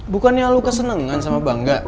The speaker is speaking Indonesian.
bukannya lu kesenengan sama bangga